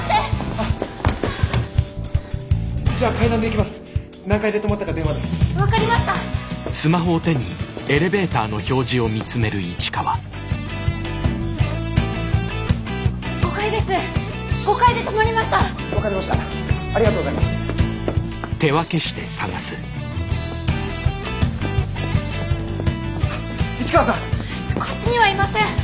こっちにはいません。